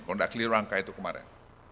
kalau tidak clear rangka itu kemarin